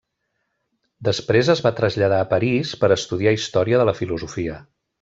Després es va traslladar a París per estudiar història de la filosofia.